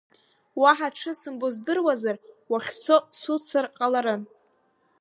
Уаҳа дшызымбо здыруазар, уахьцо суццар ҟаларын!